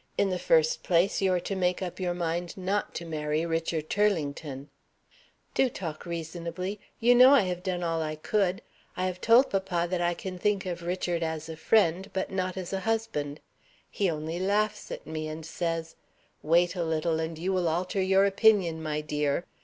In the first place, you are to make up your mind not to marry Richard Turlington " "Do talk reasonably. You know I have done all I could. I have told papa that I can think of Richard as a friend, but not as a husband. He only laughs at me, and says, 'Wait a little, and you will alter your opinion, my dear.'